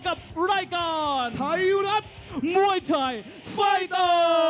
กับรายการไทยรัฐมวยไทยไฟเตอร์